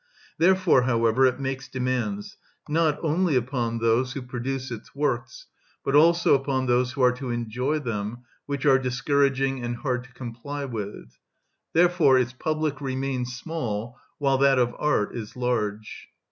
Therefore, however, it makes demands, not only upon those who produce its works, but also upon those who are to enjoy them which are discouraging and hard to comply with. Therefore its public remains small, while that of art is large.